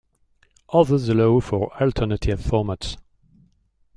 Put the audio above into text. Others allow for alternative formats.